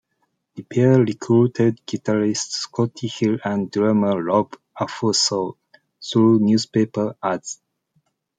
The pair recruited guitarist Scotti Hill and drummer Rob Affuso through newspaper ads.